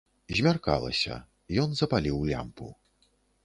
Змяркалася, ён запаліў лямпу.